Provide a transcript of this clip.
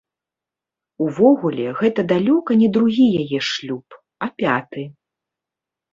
Увогуле, гэта далёка не другі яе шлюб, а пяты.